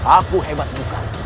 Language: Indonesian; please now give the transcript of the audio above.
aku hebat bukan